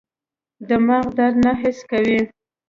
دماغ درد نه حس کوي.